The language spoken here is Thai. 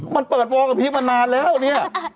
มันเปิดวอร์กับพีคมานานแล้วเนี่ย